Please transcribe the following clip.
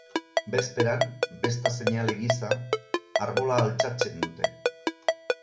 Bezperan, besta seinale gisa, arbola altxatzen dute.